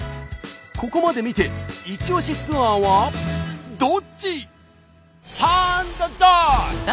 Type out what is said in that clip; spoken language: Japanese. ここまで見てイチオシツアーはどっち？